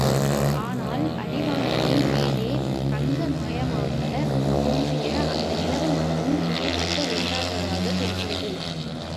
ஆனால், அடிவானத்தின் மேலே தங்க மயமாகத் தோன்றிய அந்த நிலவு மட்டும் இங்கே இருக்க வேண்டாததாகத் தோன்றியது.